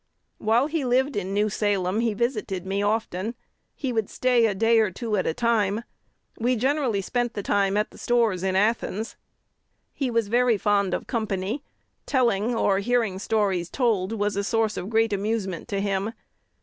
"While he lived in New Salem he visited me often. He would stay a day or two at a time: we generally spent the time at the stores in Athens. He was very fond of company: telling or hearing stories told was a source of great amusement to him.